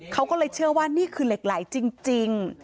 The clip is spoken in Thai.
เขาก็เลยเชื่อว่านี่คือเหล็กไหลจริง